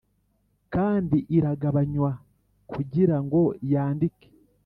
kandi iragabanywa kugirango yandike